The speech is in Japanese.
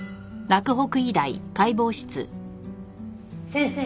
先生。